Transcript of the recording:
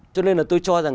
cho nên là tôi cho rằng